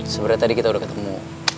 sebenarnya tadi kita udah ketemu